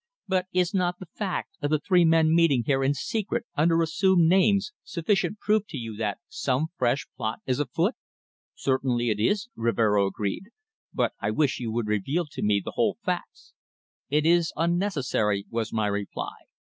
"But is not the fact of the three men meeting here in secret under assumed names sufficient proof to you that some fresh plot is afoot?" "Certainly it is," Rivero agreed. "But I wish you would reveal to me the whole facts." "It is unnecessary," was my reply.